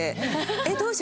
えっどうしよう？